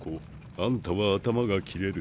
あんたは頭が切れる。